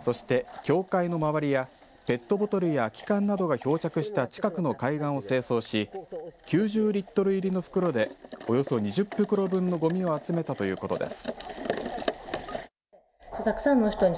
そして教会の周りやペットボトルや空き缶などが漂着した近くの海岸を清掃し９０リットル入りの袋でおよそ２０袋分のごみを集めたということです。